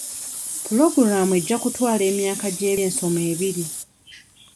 Puloogulaamu ejja kutwala emyaka gy'ebyensoma ebiri.